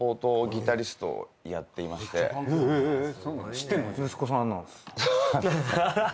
知ってんの？